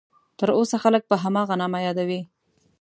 تر اوسه خلک په هماغه نامه یادوي.